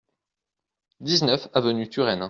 dix-neuf avenue Turenne